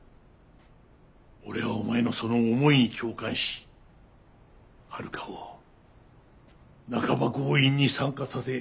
俺はお前のその思いに共感し遥を半ば強引に参加させ。